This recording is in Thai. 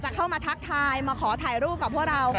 เข้ามาทักทายมาขอถ่ายรูปกับพวกเรา